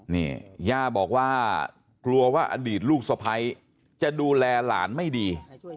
นี่ย่าบอกว่ากลัวว่าอดีตลูกสะพ้ายจะดูแลหลานไม่ดี